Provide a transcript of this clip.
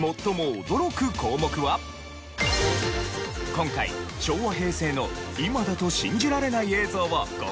今回昭和平成の今だと信じられない映像を５個用意。